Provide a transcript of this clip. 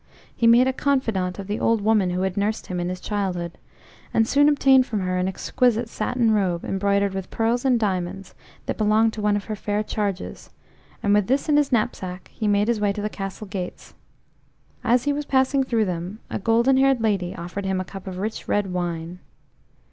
He made a confidante of the old woman who had nursed him in his childhood, and soon obtained from her an exquisite satin robe, embroidered with pearls and diamonds, that belonged to one of her fair charges, and with this in his knapsack, he made his way to the castle gates. As he was passing through them a golden haired lady offered him a cup of rich red wine.